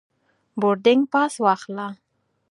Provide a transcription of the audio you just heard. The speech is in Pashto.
بوردینګ پاس واخله.